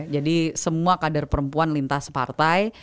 jadi semua kader perempuan lintas partai